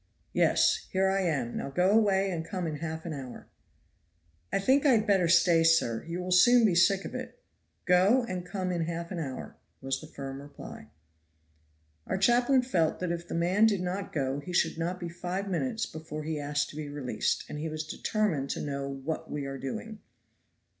"Yes! here I am. Now go away and come in half an hour." "I think I had better stay, sir. You will soon be sick of it." "Go, and come in half an hour," was the firm reply. Our chaplain felt that if the man did not go he should not be five minutes before he asked to be released, and he was determined to know "what we are doing."